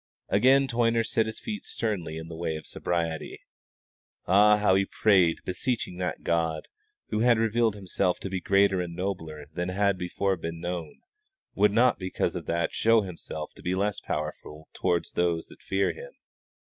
Again Toyner set his feet sternly in the way of sobriety. Ah! how he prayed, beseeching that God, who had revealed Himself to be greater and nobler than had before been known, would not because of that show Himself to be less powerful towards those that fear Him.